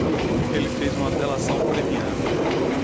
Ele fez uma delação premiada